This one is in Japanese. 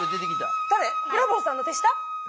ブラボーさんの手下？